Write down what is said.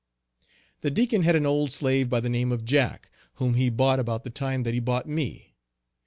The Deacon had an old slave by the name of Jack whom he bought about the time that he bought me.